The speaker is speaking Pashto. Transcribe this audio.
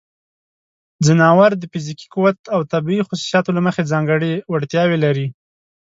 ځناور د فزیکي قوت او طبیعی خصوصیاتو له مخې ځانګړې وړتیاوې لري.